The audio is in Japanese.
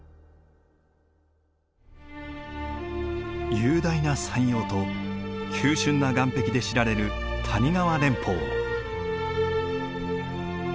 雄大な山容と急しゅんな岩壁で知られる谷川連峰。